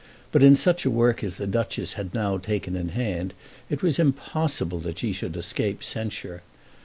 But in such a work as the Duchess had now taken in hand, it was impossible that she should escape censure.